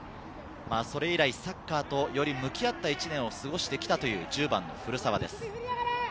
それ以来、サッカーとより向き合った１年を過ごしてきたという１０番の古澤です。